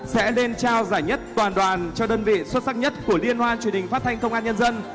sẽ lên trao giải nhất toàn đoàn cho đơn vị xuất sắc nhất của liên hoan truyền hình phát thanh công an nhân dân